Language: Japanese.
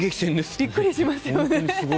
びっくりしますよね。